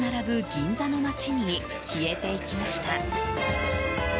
銀座の街に消えていきました。